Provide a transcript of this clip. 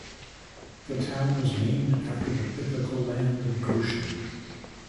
The town was named after the biblical Land of Goshen.